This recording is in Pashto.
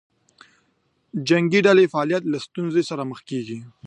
د جنګې ډلې فعالیت له ستونزې سره مخ کېږي.